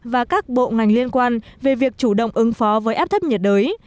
và các bộ ngành liên quan về việc chủ động ứng phó với áp thấp nhiệt đới